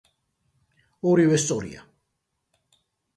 ორივე სწორია.